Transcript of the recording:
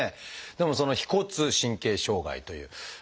でもその「腓骨神経障害」という。